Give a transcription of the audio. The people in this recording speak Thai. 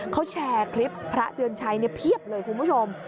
เขาแชร์คลิปพระเดือนชัยเพียบเลยคุณผู้ชม